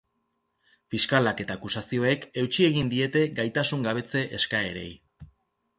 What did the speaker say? Fiskalak eta akusazioek eutsi egin diete gaitasungabetze eskaerei.